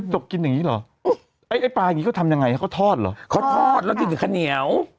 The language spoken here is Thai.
กกกินอย่างนี้เหรอไอ้ไอ้ปลาอย่างนี้เขาทำยังไงเขาทอดเหรอเขาทอดแล้วกินกับข้าวเหนียว